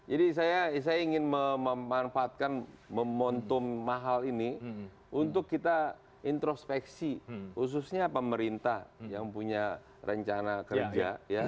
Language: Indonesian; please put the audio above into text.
jadi saya ingin memanfaatkan memontum mahal ini untuk kita introspeksi khususnya pemerintah yang punya rencana kerja